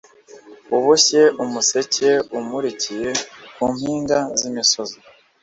uboshye umuseke umurikiye ku mpinga z’imisozi.